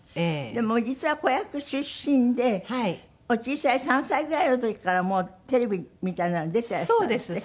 でも実は子役出身でお小さい３歳ぐらいの時からもうテレビみたいなのに出ていらしたんですって？